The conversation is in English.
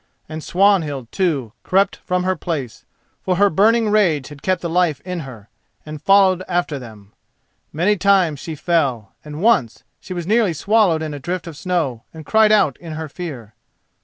And Swanhild, too, crept from her place, for her burning rage had kept the life in her, and followed after them. Many times she fell, and once she was nearly swallowed in a drift of snow and cried out in her fear.